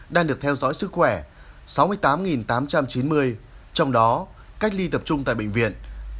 đang được theo dõi sức khỏe sáu mươi tám tám trăm chín mươi trong đó cách ly tập trung tại bệnh viện ba trăm năm mươi hai